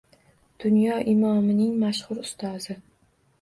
Dunyo imomining mashhur ustozi